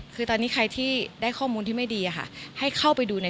คือตอนนี้ใครที่ได้ข้อมูลที่ไม่ดีอะค่ะให้เข้าไปดูใน